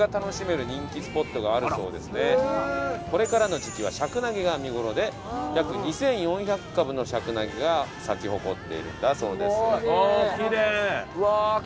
これからの時期はシャクナゲが見頃で約２４００株のシャクナゲが咲き誇っているんだそうです。